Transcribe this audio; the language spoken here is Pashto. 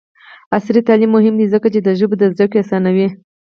عصري تعلیم مهم دی ځکه چې د ژبو زدکړه اسانوي.